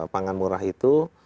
pangan murah itu